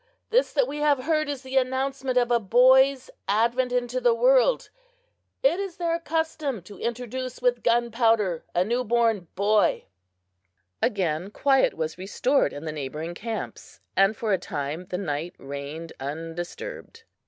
This that we have heard is the announcement of a boy's advent into the world! It is their custom to introduce with gunpowder a new born boy!" Again quiet was restored in the neighboring camps, and for a time the night reigned undisturbed.